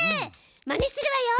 まねするわよ！